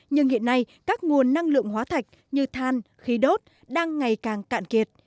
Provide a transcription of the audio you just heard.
nhưng hiện nay các nguồn năng lượng hóa thạch như than khí đốt đang ngày càng cạn kiệt